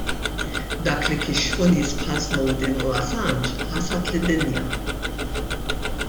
Dak li kixfu nies bħal Snowden u Assange ħasad lid-dinja.